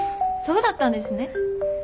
そうだったんですね。